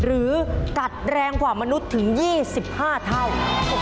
หรือกัดแรงกว่ามนุษย์ถึง๒๕เท่านั้นเอง